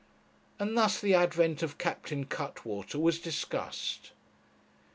And thus the advent of Captain Cuttwater was discussed.